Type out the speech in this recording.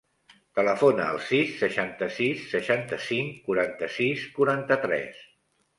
Telefona al sis, seixanta-sis, seixanta-cinc, quaranta-sis, quaranta-tres.